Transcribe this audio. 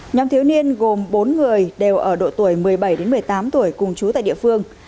nhóm thiếu niên gồm bốn người đều ở độ tuổi một mươi bảy một mươi tám tuổi cùng chú tại địa phương